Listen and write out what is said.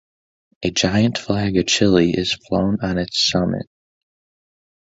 A giant flag of Chile is flown on its summit.